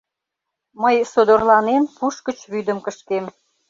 Мый содорланен пуш гыч вӱдым кышкем.